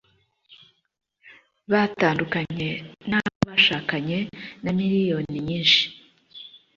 batandukanye n'abo bashakanye na miliyoni nyinshi